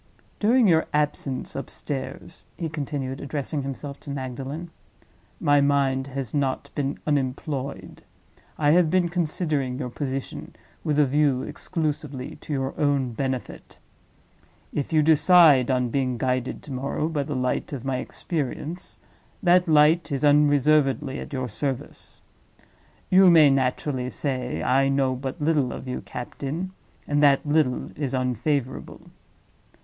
During your absence upstairs," he continued, addressing himself to Magdalen, "my mind has not been unemployed. I have been considering your position with a view exclusively to your own benefit. If you decide on being guided to morrow by the light of my experience, that light is unreservedly at your service. You may naturally say: 'I know but little of you, captain, and that little is unfavorable.